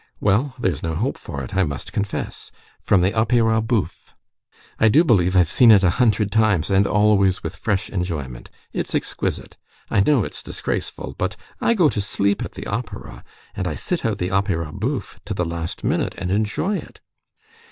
"Well, there's no help for it, I must confess. From the opera bouffe. I do believe I've seen it a hundred times, and always with fresh enjoyment. It's exquisite! I know it's disgraceful, but I go to sleep at the opera, and I sit out the opera bouffe to the last minute, and enjoy it.